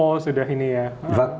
oh sudah ini ya